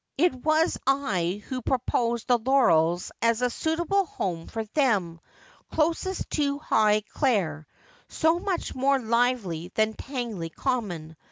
It was I who proposed the Laurels as a suit able home for them, close to Highclere, so much more lively than Tangley Common.